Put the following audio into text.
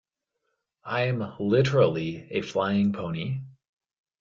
I'm literally a flying pony.